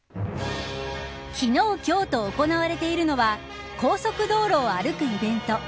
昨日、今日と行われているのは高速道路を歩くイベント